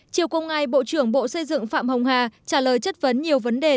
chiều cùng ngày bộ trưởng bộ xây dựng phạm hồng hà trả lời chất vấn nhiều vấn đề